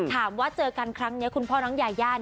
ถามว่าเจอกันครั้งนี้คุณพ่อน้องยายา